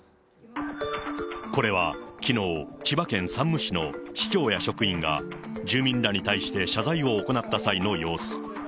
これはきのう、千葉県山武市の市長や職員が、住民らに対して謝罪を行った際の様子。